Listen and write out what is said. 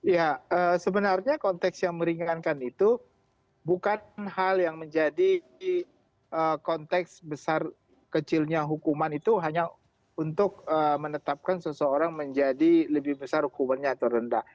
ya sebenarnya konteks yang meringankan itu bukan hal yang menjadi konteks besar kecilnya hukuman itu hanya untuk menetapkan seseorang menjadi lebih besar hukumannya atau rendah